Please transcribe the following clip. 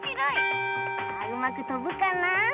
さあうまくとぶかな？